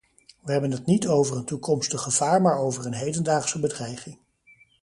Wij hebben het niet over een toekomstig gevaar maar over een hedendaagse bedreiging.